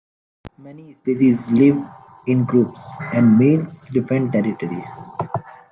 Many species live in groups and males defend territories.